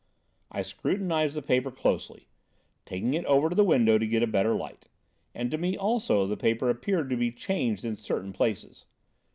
I scrutinised the paper closely, taking it over to the window to get a better light; and to me, also, the paper appeared to be changed in certain places.